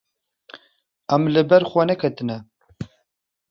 Ew li ber xwe neketine.